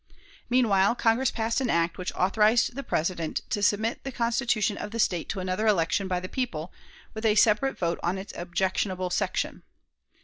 Meanwhile Congress passed an act which authorized the President to submit the Constitution of the State to another election by the people, with a separate vote on its objectionable section.